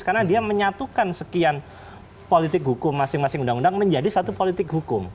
karena dia menyatukan sekian politik hukum masing masing undang undang menjadi satu politik hukum